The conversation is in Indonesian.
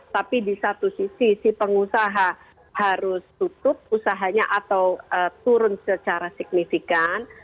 tapi di satu sisi si pengusaha harus tutup usahanya atau turun secara signifikan